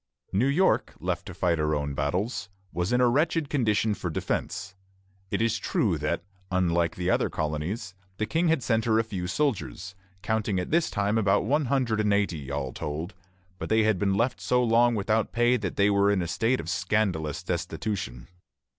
New York, left to fight her own battles, was in a wretched condition for defence. It is true that, unlike the other colonies, the King had sent her a few soldiers, counting at this time about one hundred and eighty, all told; but they had been left so long without pay that they were in a state of scandalous destitution.